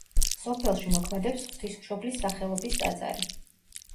სოფელში მოქმედებს ღვთისმშობლის სახელობის ტაძარი.